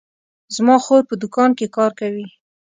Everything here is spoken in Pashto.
زما خور په دوکان کې کار کوي